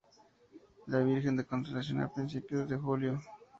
La Virgen de la Consolación, a principios de julio.